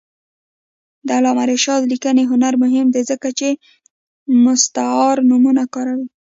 د علامه رشاد لیکنی هنر مهم دی ځکه چې مستعار نومونه کاروي.